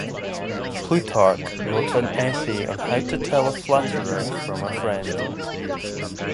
Plutarch wrote an essay on How to Tell a Flatterer from a Friend.